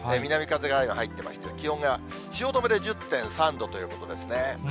南風がやや入ってまして、気温が汐留で１０．３度ということですね。